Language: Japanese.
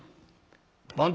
「番頭」。